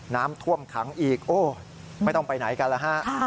น้ำท่วมขังอีกโอ้ไม่ต้องไปไหนกันแล้วฮะ